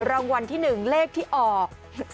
รางวัลที่หนึ่งเลขที่ออก๐๔๕๐๓๗